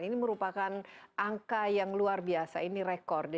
ini merupakan angka yang luar biasa ini rekor